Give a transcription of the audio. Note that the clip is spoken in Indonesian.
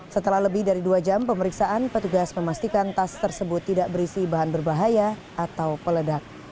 setelah lebih dari dua jam pemeriksaan petugas memastikan tas tersebut tidak berisi bahan berbahaya atau peledak